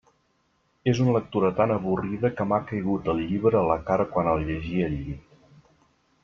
És una lectura tan avorrida que m'ha caigut el llibre a la cara quan el llegia al llit.